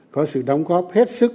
có sự đóng góp hết sức